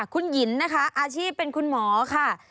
คุณหญิงนะคะอาชีพเป็นคุณหมอค่ะ